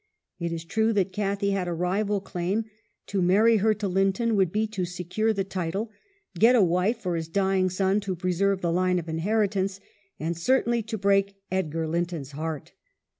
It is true that Cathy had a rival claim ; to marry her to Linton would be to secure the title, get a wife for his dying son to preserve the line of inheritance, and certainly to break Edgar Linton's heart.